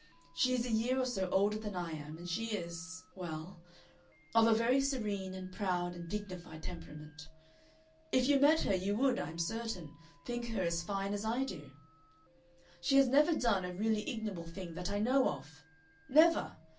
She is a year or so older than I am, and she is, well, of a very serene and proud and dignified temperament. If you met her you would, I am certain, think her as fine as I do. She has never done a really ignoble thing that I know of never.